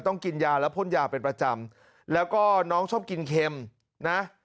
กินยาและพ่นยาเป็นประจำแล้วก็น้องชอบกินเค็มนะ